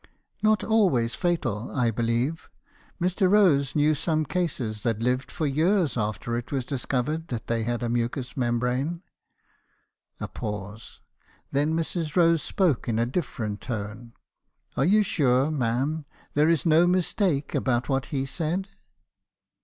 " 'Not always fatal. I believe Mr. Rose knew some cases that lived for years after it was discovered that they had a mucous membrane.' — a pause. Then Mrs. Rose spoke in a different tone. "'Are you sure, ma'am, there is no mistake about what he said?'